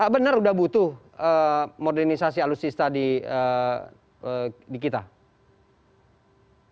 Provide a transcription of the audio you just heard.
benar sudah butuh modernisasi alutsista di kita